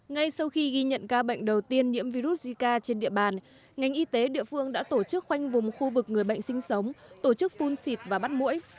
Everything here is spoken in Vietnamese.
ngay sau khi ghi nhận ca bệnh đầu tiên nhiễm virus zika trên địa bàn ngành y tế địa phương đã tổ chức khoanh vùng khu vực người bệnh sinh sống tổ chức phun xịt và bắt mũi